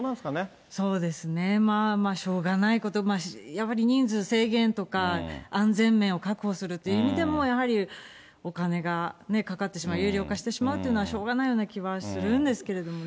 そうですね、まあ、しょうがないこと、やっぱり人数制限とか、安全面を確保するという意味でも、やはりお金がね、かかってしまう、有料化してしまうというのはしょうがないような気はするんですけどね。